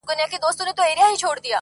نه پر مځکه چا ته گوري نه اسمان ته؛